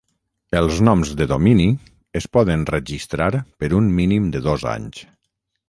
Els noms de domini es poden registrar per un mínim de dos anys.